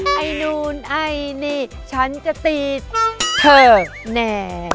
ไอ้นูนไอ้นี่ฉันจะติดเธอแน่